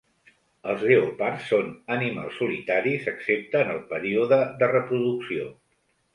Els lleopards són animals solitaris excepte en el període de reproducció.